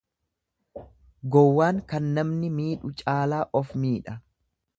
Gowwaan kan namni miidhu caalaa of miidha.